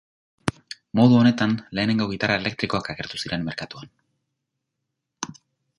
Modu honetan lehenengo gitarra elektrikoak agertu ziren merkatuan.